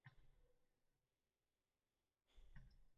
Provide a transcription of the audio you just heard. Ro'yxatning boshida Gruziya joylashgan